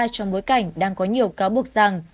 trong bối cảnh đang có nhiều cáo buộc rằng